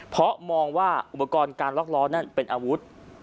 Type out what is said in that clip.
เพราะมองว่าอุปกรณ์การล็อกล้อนั่นเป็นอาวุธ